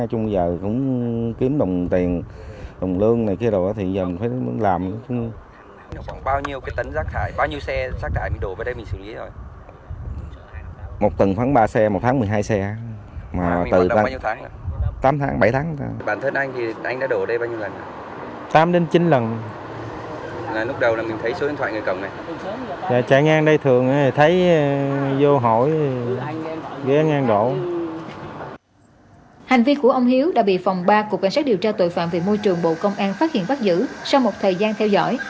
hành vi của ông hiếu đã bị phòng ba của cảnh sát điều tra tội phạm về môi trường bộ công an phát hiện bắt giữ sau một thời gian theo dõi